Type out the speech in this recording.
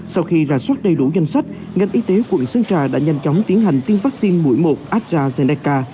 sau khi ra soát đầy đủ danh sách ngành y tế quận sơn trà đã nhanh chóng tiến hành tiêm vaccine mũi một astrazeneca